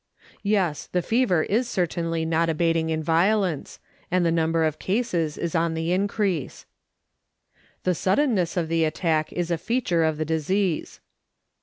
" Yes; the fever is certainly not abating in violence, and the number of cases is on the increase." " The suddenness of the attack is a feature of the disease."